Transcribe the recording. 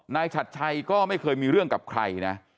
ฉัดชัยก็ไม่เคยมีเรื่องกับใครนะ